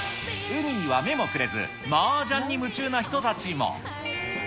海には目もくれず、マージャンに夢中な人たちも。